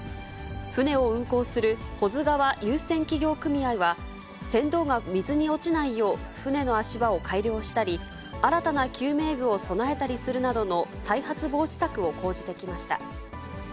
船を運航する保津川遊船企業組合は、船頭が水に落ちないよう、船の足場を改良したり、新たな救命具を備えたりするなどの再発防止策を講じてきました。